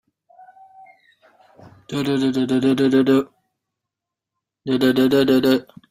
New Universal German Library.